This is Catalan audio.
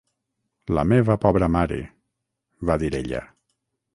"La meva pobra mare!", va dir ella.